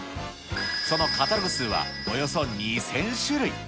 そのカタログ数はおよそ２０００種類。